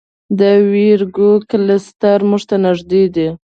د ویرګو کلسټر موږ ته نږدې دی.